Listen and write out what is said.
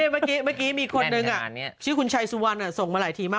เมื่อกี้มีคนนึงชื่อคุณชัยสุวรรณส่งมาหลายทีมาก